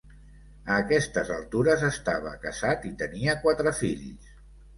A aquestes altures estava casat i tenia quatre fills.